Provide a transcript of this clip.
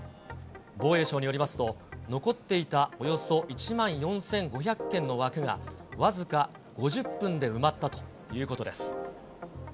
防衛省によりますと、残っていたおよそ１万４５００件の枠が、僅か５０分で埋まったということです。